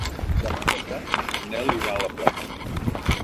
Demà passat en Nel irà a la platja.